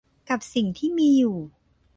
กับสิ่งที่มีอยู่